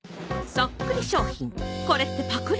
そっくり商品これってパクリ？